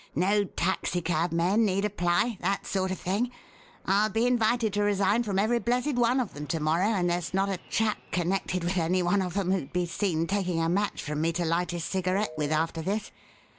No taxicabmen need apply that sort of thing. I'll be invited to resign from every blessed one of them to morrow, and there's not a chap connected with any one of 'em who'd be seen taking a match from me to light his cigarette with after this.